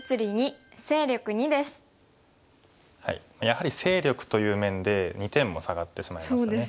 やはり勢力という面で２点も下がってしまいましたね。